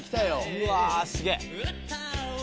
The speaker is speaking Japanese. うわすげぇ。